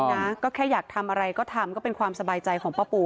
นะก็แค่อยากทำอะไรก็ทำก็เป็นความสบายใจของป้าปู